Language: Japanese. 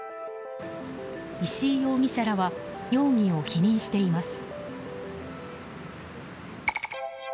石井容疑者は容疑を否認しています。